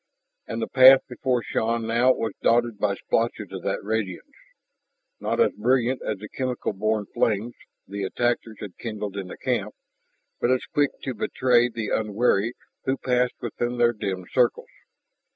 And the path before Shann now was dotted by splotches of that radiance, not as brilliant as the chemical born flames the attackers had kindled in the camp, but as quick to betray the unwary who passed within their dim circles.